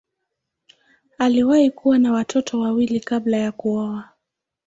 Aliwahi kuwa na watoto wawili kabla ya kuoa.